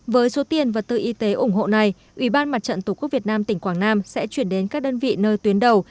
với số tiền và tư y tế ủng hộ này ubnd tqvn tỉnh quảng nam sẽ chuyển đến các đơn vị nơi tuyến đầu